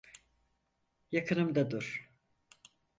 Yakınımda dur.